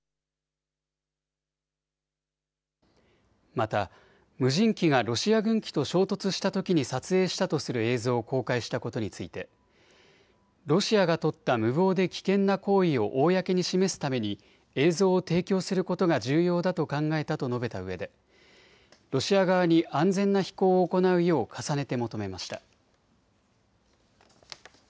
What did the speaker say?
また無人機がロシア軍機と衝突したときに撮影したとする映像を公開したことについてロシアが取った無謀で危険な行為を公に示すために映像を提供することが重要だと考えたと述べたうえでロシア側に安全な飛行を行うよう重ねて求めました。